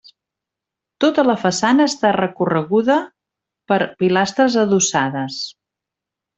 Tota la façana està recorreguda per pilastres adossades.